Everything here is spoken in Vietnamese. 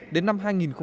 đến năm hai nghìn ba mươi